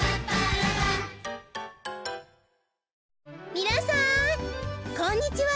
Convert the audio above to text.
みなさんこんにちは。